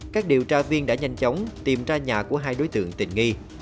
các điều tra viên đã nhanh chóng tìm ra nhà của hai đối tượng tình nghi